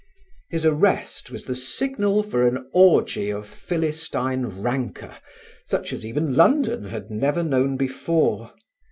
His arrest was the signal for an orgy of Philistine rancour such as even London had never known before.